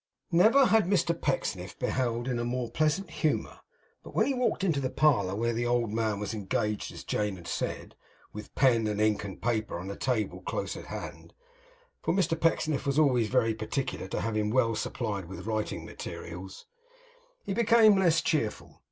Never had Mr Pecksniff been beheld in a more pleasant humour! But when he walked into the parlour where the old man was engaged as Jane had said; with pen and ink and paper on a table close at hand (for Mr Pecksniff was always very particular to have him well supplied with writing materials), he became less cheerful.